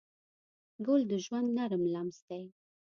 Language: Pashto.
ګل د ژوند نرم لمس دی.